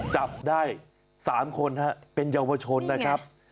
จับได้๓คนเป็นเยาวชนนะครับ